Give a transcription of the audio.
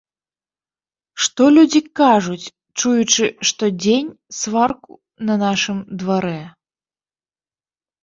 Што людзі кажуць, чуючы штодзень сварку на нашым дварэ?